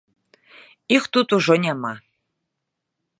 Іх тут ужо няма.